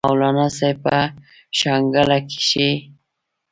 مولانا صاحب پۀ شانګله کښې